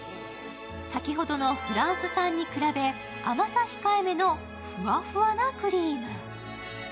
先ほどのフランス産に比べ、甘さ控えめのふわふわなクリーム。